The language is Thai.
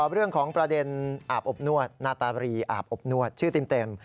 เรื่องของประเด็นอาบอบนวดนาตาบรีอาบอบนวดชื่อเต็ม